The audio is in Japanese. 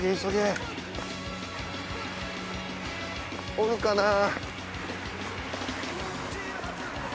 おるかなぁ。